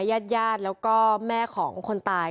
ญาติญาติแล้วก็แม่ของคนตาย